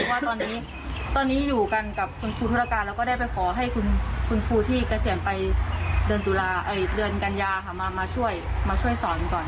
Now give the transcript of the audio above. ว่าตอนนี้อยู่กันกับคุณครูธุรการแล้วก็ได้ไปขอให้คุณครูที่เกษียณไปเดือนกันยาค่ะมาช่วยมาช่วยสอนก่อน